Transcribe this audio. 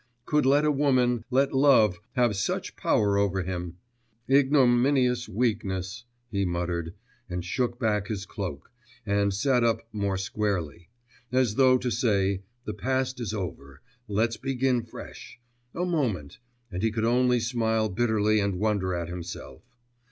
could let a woman, let love, have such power over him ... 'Ignominious weakness!' he muttered, and shook back his cloak, and sat up more squarely; as though to say, the past is over, let's begin fresh ... a moment, and he could only smile bitterly and wonder at himself.